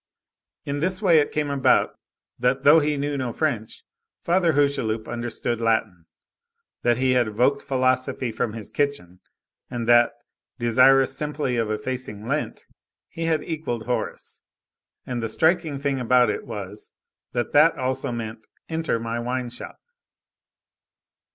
In this way it came about, that though he knew no French, Father Hucheloup understood Latin, that he had evoked philosophy from his kitchen, and that, desirous simply of effacing Lent, he had equalled Horace. And the striking thing about it was, that that also meant: "Enter my wine shop."